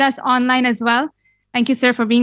dan ini sangat sangat memanfaatkan